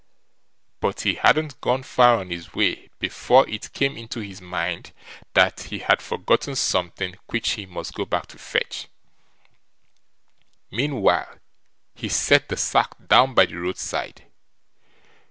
But he hadn't gone far on his way, before it came into his mind that he had forgotten something which he must go back to fetch; meanwhile, he set the sack down by the road side.